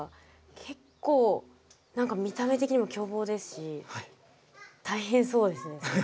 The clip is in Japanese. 結構何か見た目的にも凶暴ですし大変そうですね。